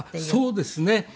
そうですね。